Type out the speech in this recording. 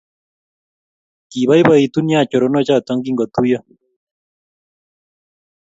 Kiboboitu neya choronok choto kingotuiyo